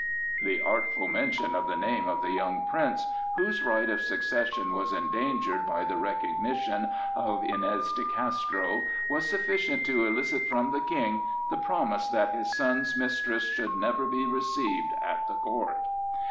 The artful mention of the name of the young prince, whose right of succession was endangered by the recognition of Iñez de Castro, was sufficient to elicit from the King the promise that his son's mistress should never be received at the court.